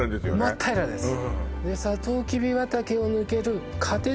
真っ平らです